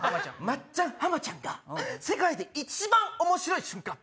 松ちゃん浜ちゃんが世界で一番面白い瞬間。